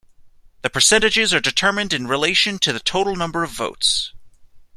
The percentages are determined in relation to the total number of votes.